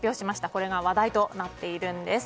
これが話題となっているんです。